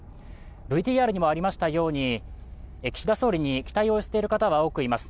ＶＴＲにもありましたように岸田総理に期待を寄せている方は多くいます。